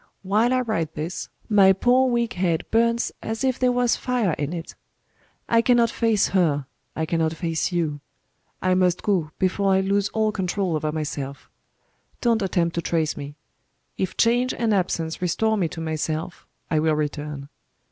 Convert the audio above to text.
While I write this, my poor weak head burns as if there was fire in it. I cannot face her, I cannot face you I must go, before I lose all control over myself. Don't attempt to trace me. If change and absence restore me to myself I will return.